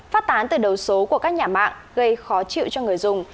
phát tán từ đầu số của các nhà mạng gây khó chịu cho người dùng